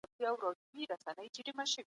فقیران د شتمنو په مال کي برخه لري.